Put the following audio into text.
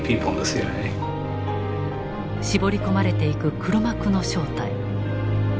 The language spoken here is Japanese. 絞り込まれていく黒幕の正体。